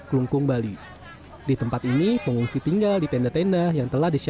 ketika pengungsian ini berakhir pengungsi yang berakhir pengungsi yang berakhir